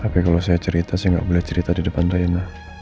tapi kalau saya cerita saya nggak boleh cerita di depan daina